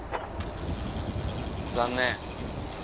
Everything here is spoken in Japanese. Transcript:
残念。